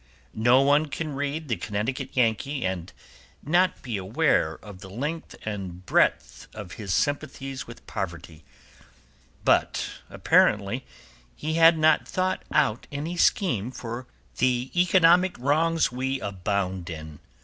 No one can read The Connecticut Yankee and not be aware of the length and breadth of his sympathies with poverty, but apparently he had not thought out any scheme for righting the economic wrongs we abound in.